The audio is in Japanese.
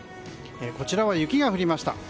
こちらは雪が降りました。